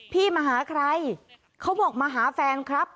พี่มาหาใครเขาบอกมาหาแฟนครับ